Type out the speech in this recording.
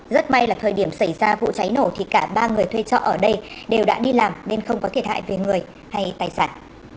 rất may là thời điểm xảy ra vụ cháy nổ thì cả ba người thuê trọ ở đây đều đã đi làm nên không có thiệt hại về người hay tài sản